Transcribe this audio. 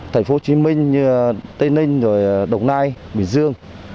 thành phố hồ chí minh tây ninh đồng nai bình dương